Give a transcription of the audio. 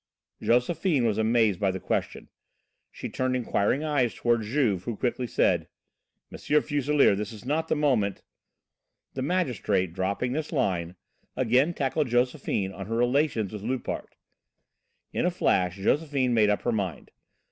Josephine was amazed by the question. She turned inquiring eyes toward Juve, who quickly said: "M. Fuselier, this is not the moment " The magistrate, dropping this line, again tackled Josephine on her relations with Loupart. In a flash Josephine made up her mind.